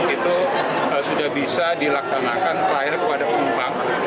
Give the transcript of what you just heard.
itu sudah bisa dilaksanakan terakhir kepada penumpang